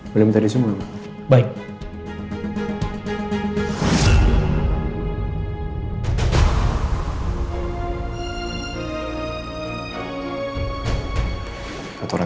boleh minta disembuhin pak